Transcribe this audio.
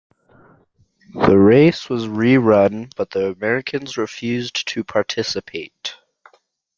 The race was re-run, but the Americans refused to participate.